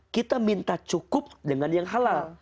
kita minta cukup dengan yang halal